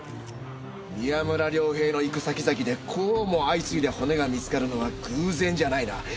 宮村涼平の行く先々でこうも相次いで骨が見つかるのは偶然じゃないな。